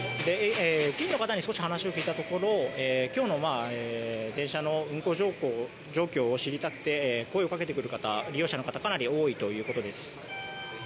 駅員の方に少し話を聞いたところ今日の電車の運行状況を知りたくて声をかけてくる方利用者の方かなり多いということです。